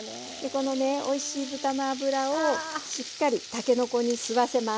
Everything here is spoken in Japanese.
このねおいしい豚の脂をしっかりたけのこに吸わせます。